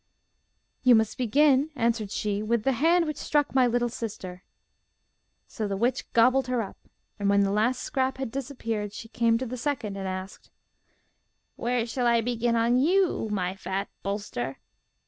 'You must begin,' answered she, 'with the hand which struck my little sister.' So the witch gobbled her up, and when the last scrap had disappeared, she came to the second and asked: 'Where shall I begin on you, my fat bolster?